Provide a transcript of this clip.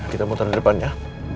kita muter depan ya